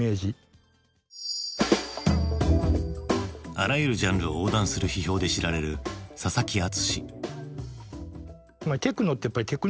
あらゆるジャンルを横断する批評で知られる佐々木敦。